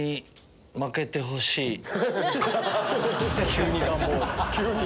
急に願望。